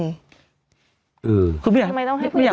ทำไมต้องให้ผู้หญิงออกมาพูด